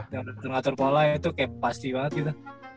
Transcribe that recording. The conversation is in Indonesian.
yang udah ngatur pola itu kayak pasti banget gitu